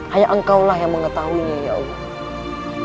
hanya engkau lah yang mengetahuinya ya allah